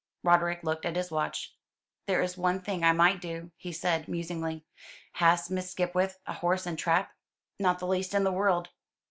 Roderick looked at his watch. "There is one thing I might do," he said, musingly. "Has Miss Skipwith a horse and trap?" "Not the least in the world."